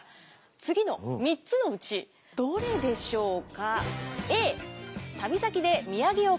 次の３つのうちどれでしょうか？